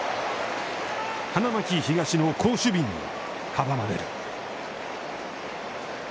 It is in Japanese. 花巻東の好守備に阻まれる。